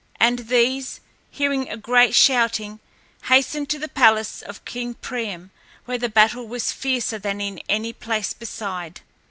And these, hearing a great shouting, hastened to the palace of King Priam, where the battle was fiercer than in any place beside.